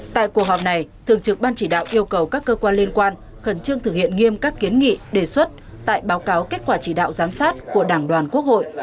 tại cuộc họp này thường trực ban chỉ đạo yêu cầu các cơ quan liên quan khẩn trương thực hiện nghiêm các kiến nghị đề xuất tại báo cáo kết quả chỉ đạo giám sát của đảng đoàn quốc hội